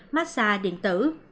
massage điện tử